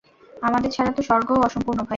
আমাদের ছাড়া তো স্বর্গও অসম্পূর্ণ ভাই।